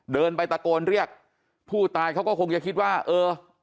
เดินไปตะโกนเรียกผู้ตายเขาก็คงจะคิดว่าเออ